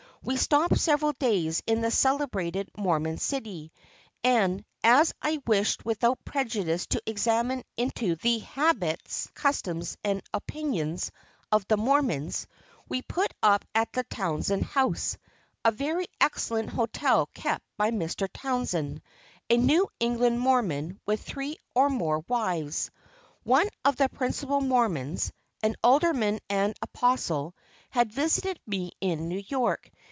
We stopped several days in this celebrated Mormon city; and as I wished without prejudice to examine into the habits, customs, and opinions of the Mormons, we put up at the Townsend House a very excellent hotel kept by Mr. Townsend, a New England Mormon with three or more wives. One of the principal Mormons, an Alderman and an Apostle, had visited me in New York.